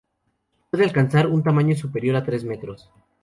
Puede alcanzar un tamaño superior a tres metros.